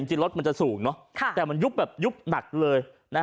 จริงรถมันจะสูงเนอะแต่มันยุบแบบยุบหนักเลย